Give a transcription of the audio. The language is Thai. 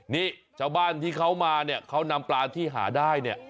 นี่ชาวบ้านที่เขามาเนี่ยเขานำปลาที่หาได้เนี่ย